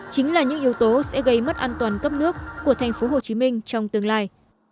chính là những yếu tố sẽ gây mất an toàn cấp nước của thành phố hồ chí minh trong tương lai